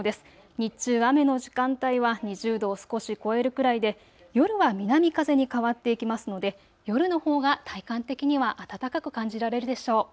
日中、雨の時間帯は２０度を少し超えるくらいで夜は南風に変わっていきますので夜のほうが体感的には暖かく感じられるでしょう。